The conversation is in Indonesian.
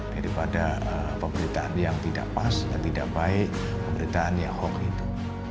daripada pemberitaan yang tidak pas dan tidak baik pemberitaan ya hoax itu